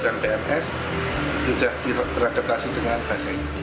dan pns sudah diadaptasi dengan bahasa inggris